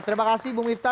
terima kasih bung wifta